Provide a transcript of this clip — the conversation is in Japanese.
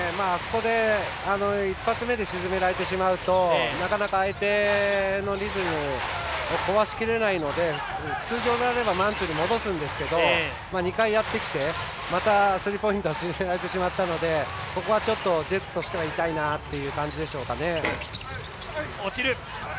一発目で沈められてしまうとなかなか相手のリズムを壊しきれないので通常であればマンツーに戻すんですけど２回やってきてまた、スリーポイントを決められてしまったのでここはちょっとジェッツとしては痛いなというところでしょうかね。